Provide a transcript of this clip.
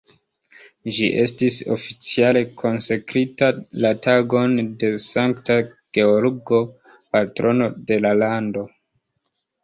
Ĝi estis oficiale konsekrita la tagon de Sankta Georgo, patrono de la lando.